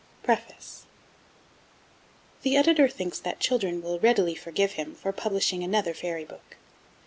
PREFACE The Editor thinks that children will readily forgive him for publishing another Fairy Book.